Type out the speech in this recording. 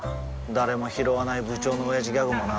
誰もひろわない部長のオヤジギャグもな